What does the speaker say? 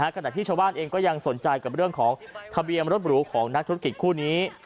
ขณะที่ชาวบ้านเองก็ยังสนใจกับเรื่องของทะเบียนรถหรูของนักธุรกิจคู่นี้